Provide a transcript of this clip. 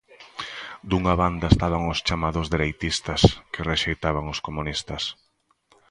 Dunha banda estaban os chamados dereitistas, que rexeitaban os comunistas.